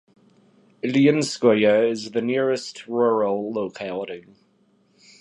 Ilyinskoye is the nearest rural locality.